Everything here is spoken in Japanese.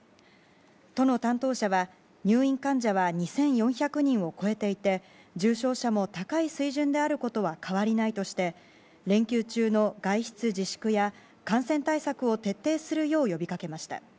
都の担当者は入院患者は２４００人を超えていて重症者も高い水準であることは変わりないとして連休中の外出自粛や感染対策を徹底するよう呼びかけました。